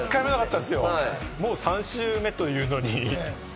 もう３週目というのに。